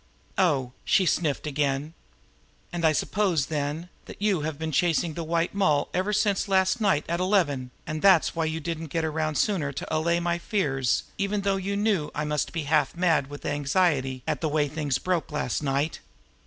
"Oh!" she sniffed again. "And I suppose, then, that you have been chasing the White Moll ever since last night at eleven, and that's why you didn't get around sooner to allay my fears, even though you knew I must be half mad with anxiety at the way things broke last night.